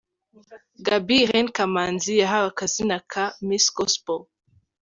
Gaby Irene Kamanzi yahawe akazina ka 'Miss Gospel'.